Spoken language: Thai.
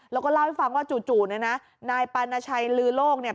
แล้วก็เล่าให้ฟังว่าจู่เนี่ยนะนายปานาชัยลือโลกเนี่ย